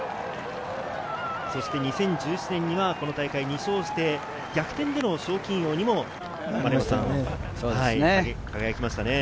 そして２０１７年にはこの大会２勝して、逆転での賞金王にも輝きました。